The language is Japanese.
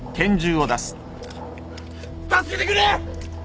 助けてくれ！